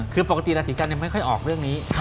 คือปกติราศีกันยังไม่ค่อยออกเรื่องนี้